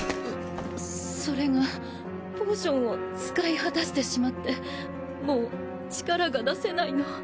それがポーションを使い果たしてしまってもう力が出せないの。